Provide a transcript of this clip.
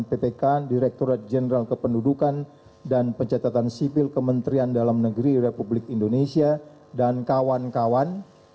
ppk direkturat jenderal kependudukan dan pencatatan sipil kementerian dalam negeri republik indonesia dan kawan kawan